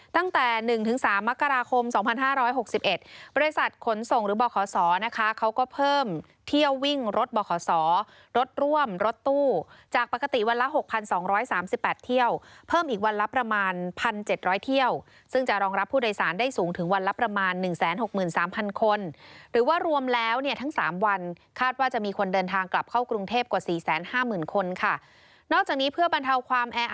ตั้งแต่๑๓มกราคม๒๕๖๑บริษัทขนส่งหรือบขศนะคะเขาก็เพิ่มเที่ยววิ่งรถบขรถร่วมรถตู้จากปกติวันละ๖๒๓๘เที่ยวเพิ่มอีกวันละประมาณ๑๗๐๐เที่ยวซึ่งจะรองรับผู้โดยสารได้สูงถึงวันละประมาณ๑๖๓๐๐คนหรือว่ารวมแล้วเนี่ยทั้ง๓วันคาดว่าจะมีคนเดินทางกลับเข้ากรุงเทพกว่า๔๕๐๐๐คนค่ะนอกจากนี้เพื่อบรรเทาความแอ